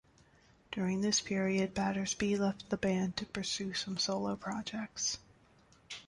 During this period Battersby left the band to pursue some solo projects.